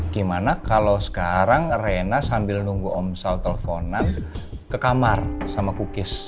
gimana kalau sekarang rena sambil nunggu omsal telponan ke kamar sama kukis